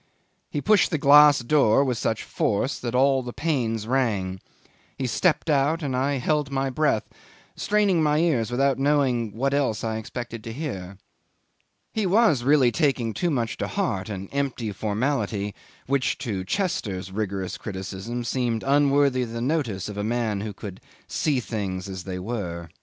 He pushed the glass door with such force that all the panes rang: he stepped out, and I held my breath, straining my ears without knowing what else I expected to hear. He was really taking too much to heart an empty formality which to Chester's rigorous criticism seemed unworthy the notice of a man who could see things as they were.